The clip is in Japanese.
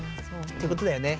ってことだよね。